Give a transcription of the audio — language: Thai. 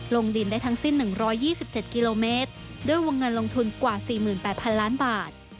ลงดินได้ทั้งสิ้น๑๒๗กิโลเมตรด้วยวงเงินลงทุนกว่า๔๘๐๐๐ล้านบาท